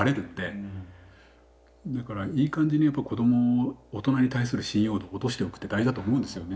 だからいい感じにやっぱ子ども大人に対する信用度を落としておくって大事だと思うんですよね。